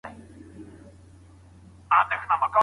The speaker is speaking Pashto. ښځه د څلورو معيارونو په اساس په نکاح کيږي.